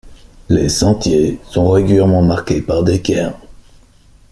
Les sentiers sont régulièrement marqués par des cairns.